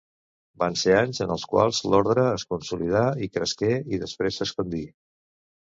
Van ser anys en els quals l'orde es consolidà i cresqué i després s'expandí.